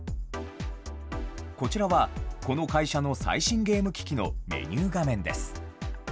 こちらは、この会社の最新ゲーム機器のメニュー画面です。